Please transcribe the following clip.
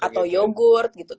atau yogurt gitu